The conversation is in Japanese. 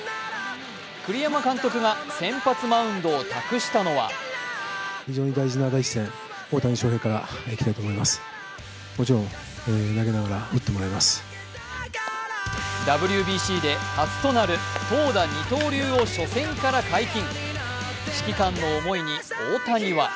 栗山監督が先発マウンドを託したのはＷＢＣで初となる投打二刀流を初戦から解禁。